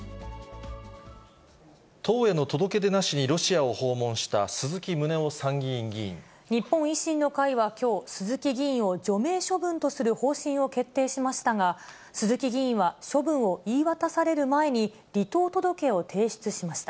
党への届け出なしにロシアを日本維新の会はきょう、鈴木議員を除名処分とする方針を決定しましたが、鈴木議員は処分を言い渡される前に、離党届を提出しました。